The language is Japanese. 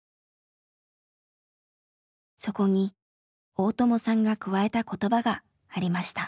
そこに大友さんが加えた言葉がありました。